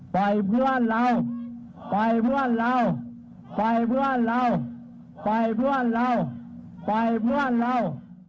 เพื่อนเราปล่อยเพื่อนเราปล่อยเพื่อนเราปล่อยเพื่อนเราปล่อยเพื่อนเรา